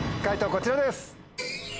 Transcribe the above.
こちらです！